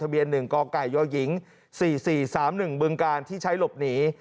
ทะเบียน๑กกย๔๔๓๑บกที่ใช้หลบหนี